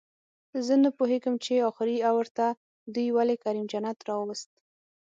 زه نپوهېږم چې اخري اوور ته دوئ ولې کریم جنت راووست